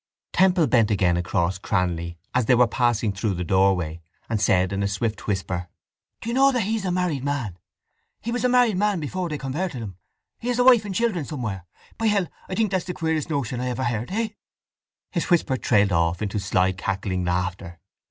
Temple bent again across Cranly, as they were passing through the doorway, and said in a swift whisper: —Do you know that he is a married man? He was a married man before they converted him. He has a wife and children somewhere. By hell, I think that's the queerest notion I ever heard! Eh? His whisper trailed off into sly cackling laughter.